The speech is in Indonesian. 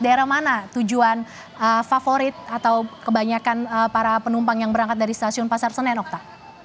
daerah mana tujuan favorit atau kebanyakan para penumpang yang berangkat dari stasiun pasar senen okta